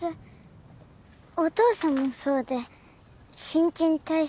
お父さんもそうで新陳代謝のせいとか